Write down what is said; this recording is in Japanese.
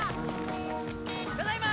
ただいま！